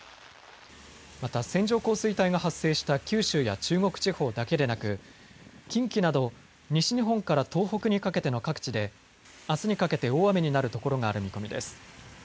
また線状降水帯が発生した九州や中国地方だけでなく近畿など西日本から東北にかけての各地であすにかけて大雨になる所がある見込みです。